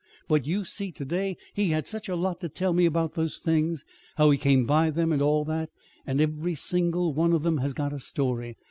But you see to day he had such a lot to tell me about the things how he came by them, and all that. And every single one of them has got a story.